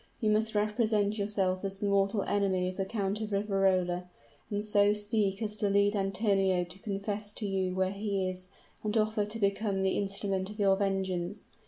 You must represent yourself as the mortal enemy of the Count of Riverola, and so speak as to lead Antonio to confess to you where he is and offer to become the instrument of your vengeance.